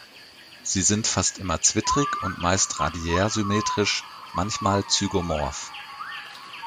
Sie sind fast immer zwittrig und meist radiärsymmetrisch, manchmal zygomorph.